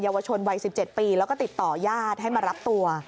วชนวัย๑๗ปีแล้วก็ติดต่อญาติให้มารับตัว